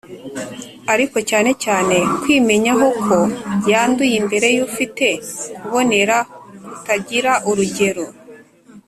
ariko cyane cyane kwimenyaho ko yanduye imbere y’ufite kubonera kutagira urugero